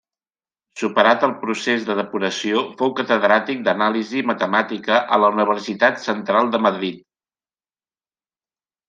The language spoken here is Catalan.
Superat el procés de depuració fou catedràtic d'anàlisi matemàtica a la Universitat Central de Madrid.